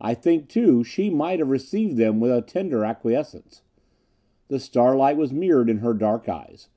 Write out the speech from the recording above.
I think, too, she might have received them with a tender acquiescence. The starlight was mirrored in her dark eyes.